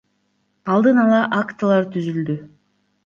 Алдын ала актылар түзүлдү.